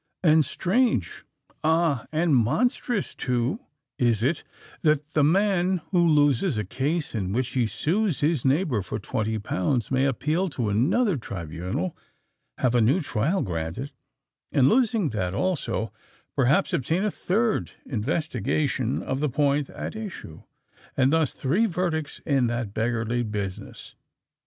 And, strange—ah! and monstrous, too, is it, that the man who loses a case in which he sues his neighbour for twenty pounds, may appeal to another tribunal—have a new trial granted—and, losing that also, perhaps obtain a third investigation of the point at issue, and thus three verdicts in that beggarly business!